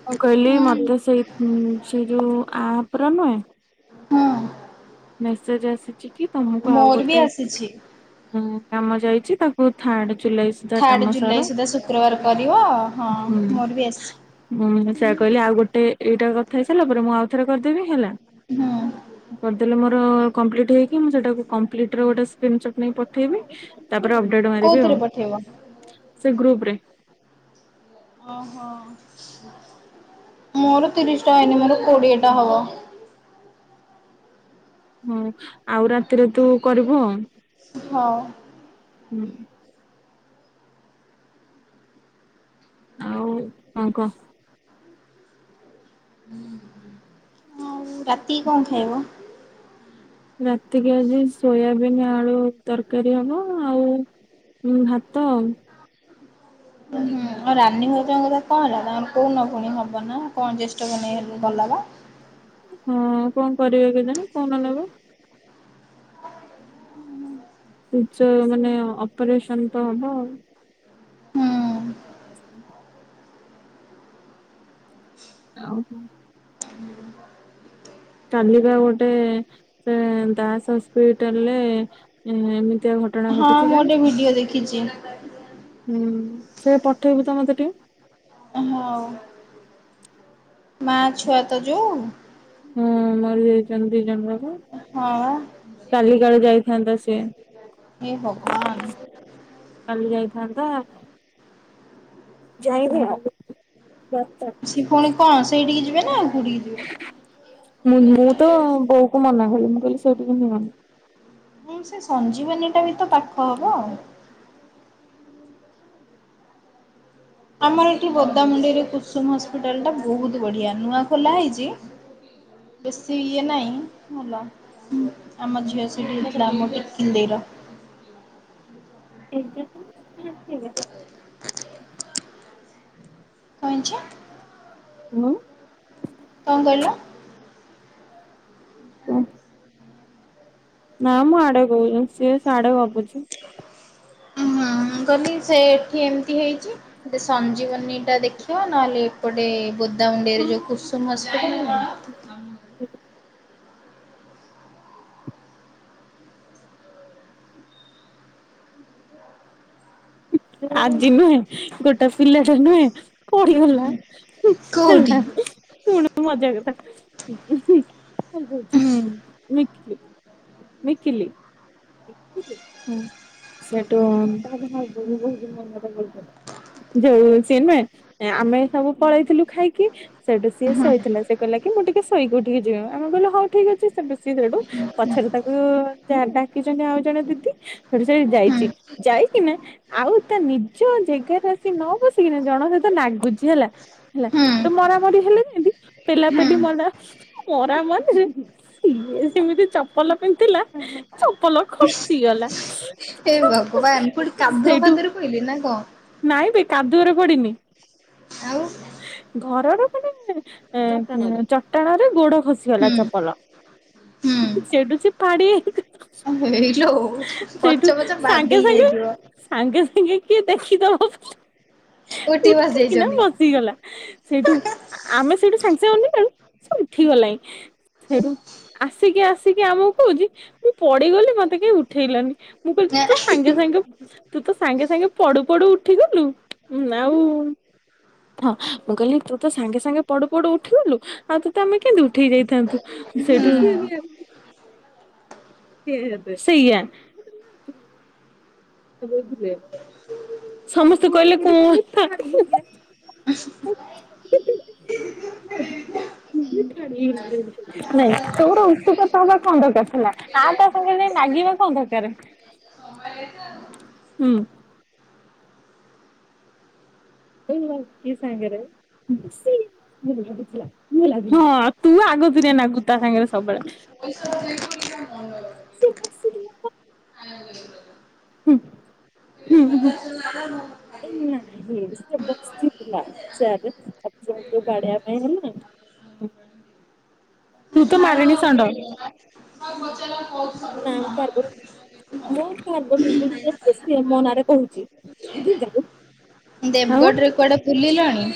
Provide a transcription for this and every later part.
ମୁଁ କହିଲି ହୁଁ ମତେ ସେଇ ସେଇ ଯୋଉ ଆପ ର ନୁହେଁ ହୁଁ। ମେସେଜ ଆସିଚି କି ତମକୁ ଆଉ ବି ଗୋଟେ ଆସିଛି। ଉଁ କାମ ଯାଇଚି ତାକୁ ଥାର୍ଡ ଜୁଲାଇ ସୁଦ୍ଧା ଥାର୍ଡ଼ କାମ ଜୁଲାଇ ସାର। ସୁଦ୍ଧା ଶୁକ୍ରବାର କରିବ। ହଁ ହୁଁ। ମୋର ବି ଆସିଛି ହୁଁ ସେଇଆ କହିଲେ ଆଉ ଗୋଟେ ଏଇଟା କଥା ହେଇ ସାରିଲା ପରେ ମୁଁ ଆଉଥରେ କରିଦେବି ହେଲା। ହୁଁ। କରିଦେଲେ ମୋର କଂପ୍ଲେଟି ହେଇକି ମୁଁ ସେଟାକୁ କଂପ୍ଲେଟି ର ଗୋଟ ସ୍କ୍ରନି ଶଟ ନେଇ ପଠେଇବି। ତାପରେ ଅପଡେଟ ମାରିବି କୋଉଥିରେ ଆଉ। ପଠେଇବ? ସେ ଗ୍ରୁପ ରେ। ଓହୋ ମୋର ତିରିଶ ଟା ହେଇନି। ମୋର କୋଡିଏ ଟା ହବ। ହଁ ଆଉ ରାତିରେ ତୁ କରିବୁ। ହଁ। ହୁଁ। ଆଉ କଣ କହ? ଆଉ ରାତିକି କଣ ଖାଇବ? ରାତିକି ଆଜି ସୋୟାବିନ୍ ଆଳୁ ତରକାରୀ ହବ ଆଉ ହୁଁ ଭାତ ଆଉ। ରାନୀ ଭାଉଜଙ୍କ କଥା କଣ ହେଲା? ତାଙ୍କର କୋଉ ନ ପୁଣି ହବ ନା କଣ ଜେଷ୍ଟକୁ ନେଇ ଗଲା ବା? ହଁ କଣ କରିବେ କେଜାଣେ? କନ ନଲାଗ। ଏ ଯୋଉ ମାନେ ଅପରେସନ ତ ହବ ଆଉ। ହୁଁ। ଆଉ କଣ? [unintelligible] ତାଲିକା ଗୋଟେ ସେ ଦାସ ହସ୍ପିଟାଲ ରେ ଏ ଏମିତିଆ ଘଟଣା ହଁ ଘଟିଛି ମୁଁ ଗୋଟେ ଜାଣିଚୁ? ଭିଡିଓ ଦେଖିଛି ହୁଁ ସେ ପଠେଇବୁ ତ ମତେ ଟିକେ। ହଁମ ମା ଛୁଆ ତ ଯୋଉ ହଁ ମରିଯାଇଚନ୍ତି ଦ ଜଣ ଯାକ। ହଁ କାଲି କାଳେ ଯାଇଥାନ୍ତା ସିଏ। ଏ ଭଗବାନ। କାଲି ଯାଇଥାନ୍ତା। ଯାଇଥିଲା ଡକ୍ଟର ସେ ପୁଣି କଣ ସେଇଠିକି ଯିବେ ନା ଆଉ କଉଁଠିକି ଯିବେ? ମୁ ମୁଁ ତ ବୋଉ କ ମନା କଲି ମୁଁ କହିଲି ସେଇଠିକି ନିଅନି। ହଁ ସେ ସଞ୍ଜୀବନୀ ଟା ବି ତ ପାଖ ହବ। ଆମର ଏଠି ବୋଦାମୁଣ୍ଡେଇରେ କୁସୁମ ହସ୍ପିଟାଲ ଟା ବହୁତ ବଢିଆ। ନୂଆ ଖୋଲା ହେଇଚି। ବେଶୀ ଇଏ ନାହିଁ ଭଲ। ଆମ ଝିଅ ସେଠି ହେଇଥିଲା ଆମ ଟିକିଲି ଦେଇର। [inaudible] କାଇଁକି? ହାଲୋ। କଣ କହିଲ? ହଁ। ନାଁ, ମୁଁ ଆଡେ କହୁଛନ଼, ସିଏ ସାଡେ ଗପୁଛି। ହଁ, ଗନି ସେ ଏଠି ଏମିତି ହେଇଛି। ଚି। ସେ ସଞ୍ଜୀବନୀ ଟା ଦେଖିବା, ନହେଲେ ଏପଟେ ବୋଦାମୁଣ୍ଡେଇରେ ଯଉ ହୁଁ କୁସୁମସ୍ [unintelligible] ଆଜି ନୁହେଁ ଗୋଟା ପିଲାଟା ନୁହେଁ, ପଡିଗଲା, କୋଉଠି? ହେଲା। ଶୁଣ୍ ମଜା କଥା, ହୁଁ, ମିକି ମିକିଲି, ହୁଁ ସେଟୁଁ [unintelligible] ଯୋଉ ସିଏ ନୁହେଁ, ଆମେ ସବୁ ପଳେଇଥିଲୁ ଖାଇକି! ସେଠୁ ସିଏ ହୁଁ ହୁଁ ଶୋଇଥିଲା। ସେ କହିଲା କି ମୁଁ ଟିକେ ଶୋଇି ଉଠିକି ଯିବି। ଆମେ କହିଲୁ ହଉ ଠିକ୍ ଅଛି। ତାପରେ, ସିଏ ସେଇଠୁ ପଛରେ ତାକୁ-ଉ ଯାହା ଡାକିଛନ୍ତି ଆଉ ଜଣେ ଦିଦି ସେଠୁ ସେ ଯାଇଚି, ଯାଇକିନା ଆଉ ତା ନିଜ ଜେଗାରେ ଆସି ନ ବସିକିନା ଜଣକ ସହିତ ନାଗୁଛି ହେଲା। ହେଲା ହେଟୁ ହୁଁ ମରାମରି ହେଲେ ଯେଁତି ପେଲାପେଲି ହୁଁ। ମଲା, ମରାମରି ରେ ଇଏ ଯେମିତି ଚପଲ ପିନ୍ଧିଥିଲା, ଚପଲ ଖସିଗଲା। ଏ ଭଗବାନ କୋଉଠି କାଦୁଅ ସେଇଠୁ ଫାଦୁଅରେ ପଇଲେ ନା କଣ? ନାଇଁ ବେ କାଦୁଅରେ ପଡ଼ିନି। ଆଉ। ଘରର ମାନେ-ଏଁ ଏଁ ଚଟାଣରେ ଗୋଡ ଖସିଗଲା ହୁଁ ଚପଲ। ସେଇଠୁ ଫାଡ଼ି ହେଇଗ ହେଇଲୋ-ଓ ପଛ ପଛ ସାଙ୍ଗେ ବାଡେଇ ସାଙ୍ଗେ ହେଇଯାଇଥିବ। ସାଙ୍ଗେ ସାଙ୍ଗେ କିଏ ଦେଖିଦବ ବୋଲି ଉଠି ବସି ଉଠିକିନା ଯାଇଛନ୍ତି। ବସିଗଲା। ସେଇଠୁ ଆମେ ସେଇଠୁ ସାଙ୍ଗେ ସାଙ୍ଗେ ଅନେଇଲାଳୁ ସେ ଉଠି ଗଲାଇଁ, ସେଇଠୁ ଆସିକି ଆସିକି ଆମକୁ କହୁଛି ମୁଁ ପଡିଗଲି ମତେ କେହି ଉଠେଇଲନି। ମୁଁ କହିଲି ତୁତ ସାଙ୍ଗେ ସାଙ୍ଗେ ତୁ ତ ସାଙ୍ଗେ ସାଙ୍ଗେ ପଡୁ ପଡୁ ଉଠିଗଲୁ ଆଉ-ଉଁ ହଁ, ମୁଁ କହିଲି ତୁ ତ ସାଙ୍ଗେ ସାଙ୍ଗେ ପଡୁ ପଡୁ ଉଠିଗଲୁ। ଆଉ ତୋତେ ଆମେ କେଁତି ଉଠେଇ ଯାଇଥାନ୍ତୁ? ସେଇଠୁ ହୁଁ ସେୟା। ସେ [unintelligible] ସମସ୍ତେ କହିଲେ କୋଣ [unintelligible] [inaudible] [inaudible] ନାଇଁ, ସେ ଗୋଟେ ଉତୁପାତ ହବା କଣ ଦରକାର ଥିଲା। ଆ ତା ସାଙ୍ଗେ ଯାଇଁ ଲାଗିବା କଣ ଦରକାର? [inaudible] ହୁଁ। ଓ! କିିଏ ସାଙ୍ଗରେ ହଁ, ତୁ ଆଗତୁରିଆ ନାଗୁ ତା ସାଙ୍ଗରେ ସବୁବେଳେ। [inaudible] [inaudible] ହୁଁ [inaudible] ଏ ନାହିଁ ସେ ବସିଥିଲା, ଚେୟାର୍ ରେ [unintelligible] ବାଡେୟା ପାଇଁ ନା ତୁ ତ ମାରିଣି ସଣ୍ଡ। [unintelligible] ମୋ ଫୋନ୍ ରେ [inaudible] ସିଏ ମୋ ନାଁରେ କହୁଚି। ଦେବ୍ ଗଡରେ କୁଆଡେ ବୁଲିଲଣି?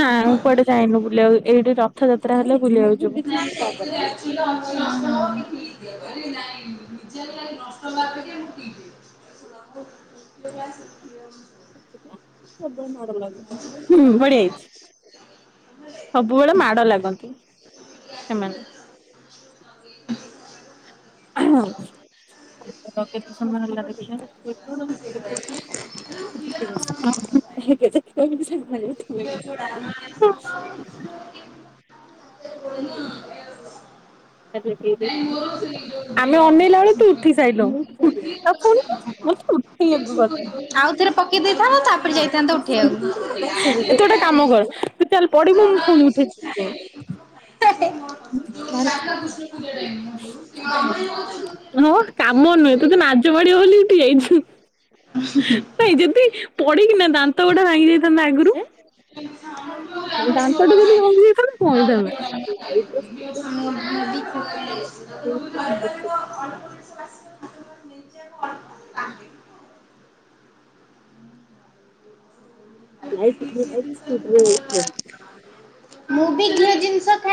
ନା ଆମେ କୁଆଡେ ଯାଇନୁ ବୁଲିଆକୁ ଏଇଠି ରଥଯାତ୍ରା ହେଲେ ବୁଲିିଆକୁ ଯିବୁ। [unintelligible] ଲଗା ସକ୍ତି ହବ। କେବେ [inaudible] ହୁଁ ବଡିଆ ହେଇଚି। ସବୁବେଳେ ମାଡ ଲାଗନ୍ତି ସେମାନେ। [unintelligible] କେତେ ସମୟ ହେଲା ଦେଖିଆ। ହ ତାକୁ କିଏ ଦେଇଥିଲା? କୋଉ ଗଛ ସାଇଲୁଣୁ। ନେଇକି ଆଉ ଫୁଣି ମତେ ଯିବ? ଉଠେଇବାକୁ ଗଲନି। [unintelligible] ଆଉ ଥରେ ପକେଇ ଦେଇଥାନ୍ତ ତାପରେ ଯାଇଥାନ୍ତ ଉଠେଇଆକୁ। [unintelligible] ହସ୍ପଟାଲ୍ ରେ ପଢିମୁ ମୁଁ ଫୁଣି ଉଠେଇକି ଆଣ୍ ହଁ କାମ ନୁହେଁ ତତେ ନାଜମାଡି ବୋଲି ତୁ ଯାଇଛୁ। ନାଇ ଯେଦି ପଡିକିନା ଦାନ୍ତ ଗୁଡା ଭାଙ୍ଗି ଯାଇଥାନ୍ତା ଆଗରୁ। ଆ ଦାନ୍ତ ଟା ଯଦି ଭାଙ୍ଗିଥାନ୍ତା କଁ ହେଇଥାନ୍ତା? ଲାଇପ୍ ର କ୍ସୁଲ୍ [unintelligible] ଲାଇଟ୍ ରେ ଯାଇକି ସ୍ପିଡ୍ ରେ ପଡିଲି। ହଁ ମୁ ବି ଝିଅ ଜିନିଷ ଖାଇ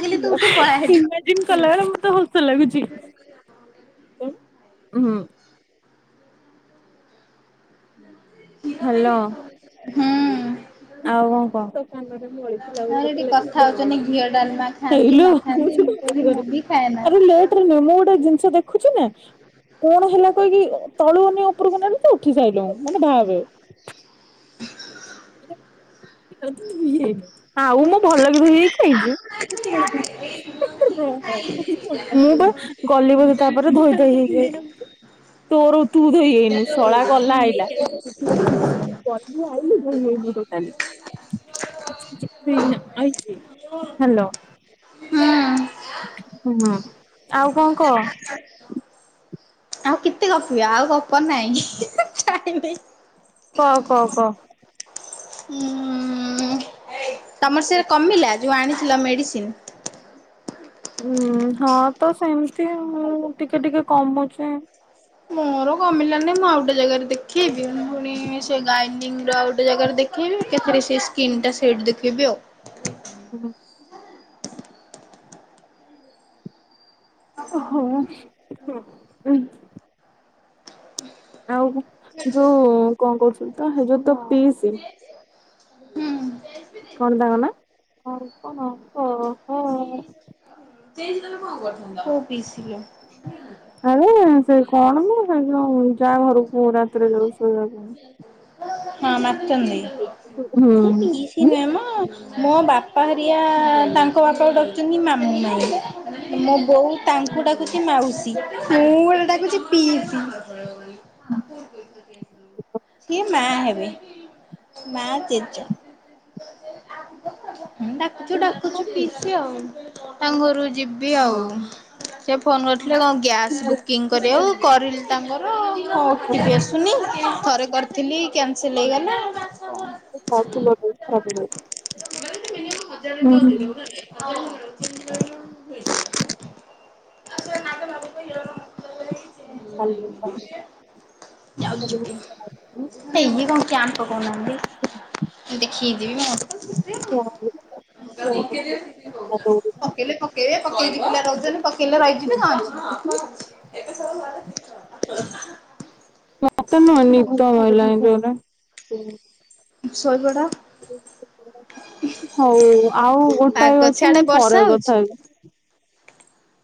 କହିଲେ ତୁ ଉଠି ପଳା ହେଠୁ। ବା ଇନ୍ କଲା ବେଳେ ମତେ ହସ ଲାଗୁଚି, ହୁଁ। ହୁଁ ହାଲୋ। ଆଉ କଣ କଣ? ଆରେ ଏଠି କଥା ହଉଛନ୍ତି [unintelligible] ଘିଅ ଡାଲମା ଖାଆନ୍ତି ହେଇଲୋ ନ ଖାଆନ୍ତି ମୁଁ କହିଲି ମୁଁ ବି ଖାଏନା। ଆବେ ଲେଖ୍। ମମୋ ଗୋଟେ ଜିନିଷ ଦେଖୁଚି ନା। କଣ ହେଲା କହିକି ତଳୁ ଆମେ ଉପରକୁ ନେଲୁ ତୁ ଉଠି ସାଇଲଉଁ, ମାନେ ଭାଗେ। ଆଉ ମୁଁ ଭଲ କି ଧୋଇ ହେଇକି ଆଇଚି, କେତେବେଳେ ଧୋଇହେଲୁ। ମୁଁ ବା ଗଲି ବୋଧେ ତାପରେ ଧୋଇ ଧାଇ ହେଇକି ଆଇଲି। ତୋର ତୁ ଧୋଇ ହେଇନୁ ଶଳା ଗଲା ଆଇଲା। ତୁ ଆଇଲୁ ଧୋଇ ହେଇନୁ ଯେ। ଆଲି [unintelligible] ହାଲୋ। ହୁଁ ହୁଁ, ଆଉ କଁ କହ? ଆସ। କେତେ ଗପିବେ ଆଉ ଗପ ନାଇଁ [unintelligible] ଟାଇମି କ କ କ। ଉଁ ତମର ସେଟା କମିଲା ଯୋଉ ଆଣିଥିଲ ମେଡ଼ିସିନ୍? ଉଁ ହଁ ତ ସେମିତି ମୁଁ ଟିକେ ଟିକେ କମୁଚି। ମୋର କମିଲା ନି ମୁଁ ଆଉଟେ ଜାଗାରେ ଦେଖେବି ପୁଣି ସେ ଗାଇନିଙ୍ଗ୍ ର ଆଉଟେ ଜାଗାରେ ଦେ ଖେଇବି ଏକାଥରେ ସେ ସ୍କିନ୍ ଟା ସେଟି ଦେଖେଇବି ଆଉ। ଉଁ ହୁଁ। ହଁଉ [unintelligible] ଆଉ ଯୋଉ କଣ କହୁଥିଲୁ ତ ହେ ଯୋଉ ତ ପିସି ହୁଁ। କଣ ତାଙ୍କ ନାଁ [unintelligible] ତେଇଶ ଦରେ କଣ କର୍ଥାନ୍ତ। କୋଉ ପିସି ଲୋ। ଆରେ ସେ କଣ ମୁଁ ସେ ଯ‌ଉ ଯାହା ଘରକୁ ରାତିରେ ଯଉ ଶୋଇବା ପାଇଁ। ହଁ ମାଚନ୍ଦି ହୁଁ। [unintelligible] କି ହୁଁ ନୁହେଁ ମ ମୋ ବାପା ହାରିଆ ତାଙ୍କ ବାପାକୁ ଡାକ୍ ଛନ୍ତି ମାମୁଁ ମାଇଁ। ମୋ ବୋଉ ତାଙ୍କୁ ଡାକୁଛି ମାଉସୀ ମୁଁ ଗୋଟେ ଡାକୁଛି ପିଇସି। ସିଏ ମା ହେବେ ମା ଜେଜ। ଡାକୁଛୁ ଡାକୁଛୁ ପିସି ଆଉ। ତାଙ୍କ ଘରୁ ଯିବି ଆଉ ସେ ଫୋନ୍ କରିଥିଲେ କଂ? ଗ୍ୟାସ୍ ବୁକିଂ କରିବାଉ କରିଲି ତାଙ୍କର ହଉଟିବି ଆସୁନି ଥରେ କର୍ ଥିଲି କ୍ୟାନସେଲ୍ ହେଇଗଲା। [unintelligible] ହଜାର ଟ ଦେଦବୁ ନାକି [unintelligible] [unintelligible] ଯାଉଚିକି। ଏ ଇଏ କଣ କ୍ୟାମ୍ପ୍ ପକ‌ଉନନ୍ତି ମୁଦେଖି ଜିବି [unintelligible] [unintelligible] ତାକୁ ପକେଦେ [unintelligible] ପକେଇଲେ ପକେଇବେ ପକେଇକି ପିଲା ରହୁଛନ୍ ପକେଇଲେ ରହିଯିବେ କଂ। ଏତେ ସବୁ ଘରେ ମତେନୁଏ ନିଦ‌ ମାଇଲାଇଁ ଜୋରେ। ସୋଇପଡ। ହଉ ଆଉ ପାଗ ଗୋଟାଏ ଅଛି ସିଆଡେ ମୁଁ ବର୍ଷା ପରେ ହଉଛି? କଥା ହେବି।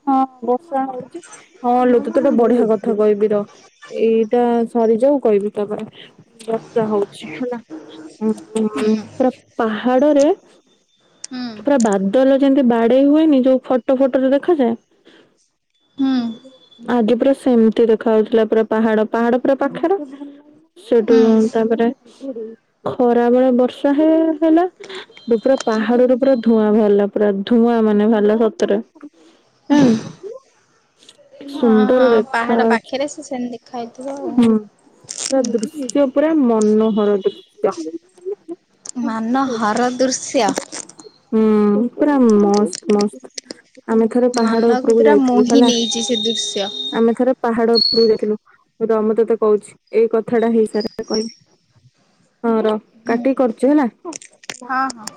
ହଁ ବର୍ଷା ହଉଛି ହଁ ଲୋ ତତେଟେ ବଢିଆ କଥା କହିବି ର ଏଇଟା ସରିଯାଉ କହିବି ତାପରେ ବର୍ଷା ହଉଛି ହେଲା ଉଁ ହୁଁ ଉଁ ପ୍ରା ପାହାଡରେ ହୁଁ ପୁରା ବାଦଲ ଯେମ୍ତି ବାଡେଇ ହୁଏନି ଯୋଉ ଫଟ ଫଟରେ ଦେ ଖା ଯାଏ ହୁଁ ଆଗେ ପୁରା ସେମ୍ତି ଦେ ଖା ଉଥିଲା ପୁରା ପାହାଡ ପାହାଡ ପୁରା ପାଖରେ ସେଠୁ ହୁଁ। ତାପରେ ଖରାବେଳେ ବର୍ଷା ହେ ହେଲା। ଡୁପ୍ରା ପାହାଡରୁ ପୁରା ଧୂଆଁ ଭାର୍ଲା ପୁରା ଧୂଆଁ ମାନେ ଭାର୍ଲା ସତରେ। ହୁଁ। କି ସୁନ୍ଦର ହଁ ଦେଖା ପାହାଡ ପାଖରେ ସେ ସେମିତି ଦେଖା ହେଇଥିବ ଆଉ। ଅଛି ହୁଁ। ପୁରା ଦୃଶିଜ ପୁରା ମନୋହର ମାନ ଦୃଶ୍ୟ। ହର ଦୃଶ୍ୟ ହୁଁ ପୁରା ମସ୍ତ୍ ମସ୍ତ୍। ଆମେ ଥରେ ପାହାଡ ମନକୁ ଉପୁରୁକୁ ପୁରା ଯାଇଥିଲୁ ମୋହି ହେଲା ନେଇଛି ସେ ଦୃଶ୍ୟ। ଆମେ ଥରେ ପାହାଡ ଉପୁରୁକୁ ଯାଇଥିଲୁ। ର ମୁଁ ତତେ କହୁଛି ଏଇ କଥା ଟା ହେଇସାରେ କହିବି। ହଁ ର କାଟିି କି କରୁଚି ହେଲା। ହଁ ହଁ।